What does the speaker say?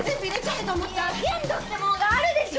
いや限度ってものがあるでしょ！